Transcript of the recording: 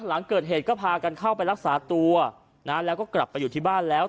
หลังเกิดเหตุก็พากันเข้าไปรักษาตัวนะแล้วก็กลับไปอยู่ที่บ้านแล้ว